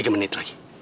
tiga menit lagi